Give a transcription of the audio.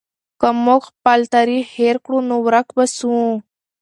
که موږ خپل تاریخ هېر کړو نو ورک به سو.